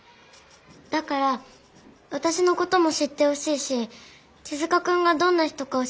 だからわたしのことも知ってほしいし手塚くんがどんな人か教えてほしい。